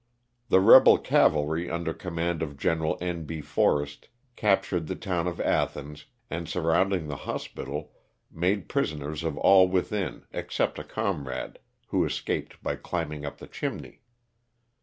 The rebel cavalry, under command of Gen. N. B. Forrest, captured the town of Athens, and surround ing the hospital made prisoners of all within except a comrade who escaped by climbing up the chimney.